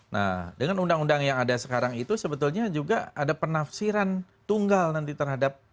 nah dengan undang undang yang ada sekarang itu sebetulnya juga ada penafsiran tunggal nanti terhadap